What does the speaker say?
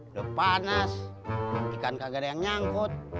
udah panas nanti kan kagak ada yang nyangkut